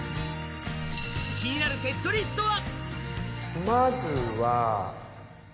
気になるセットリストは。